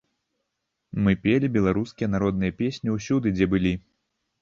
Мы пелі беларускія народныя песні ўсюды, дзе былі.